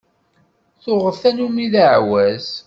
Tuɣeḍ tannumi d ɛawaz.